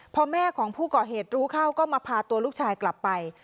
พอแม่ของผู้ก่อเหตุรู้เข้าก็มาพาตัวลูกชายกลับไป